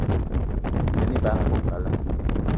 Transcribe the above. Yen ebag i bo kalada